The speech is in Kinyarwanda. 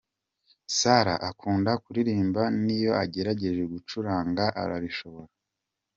Sarah akunda kuririmba niyo agerageje gucuranga arabishobora.